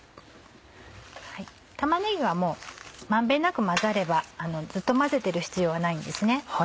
玉ねぎは満遍なく混ざればずっと混ぜてる必要はないんですね。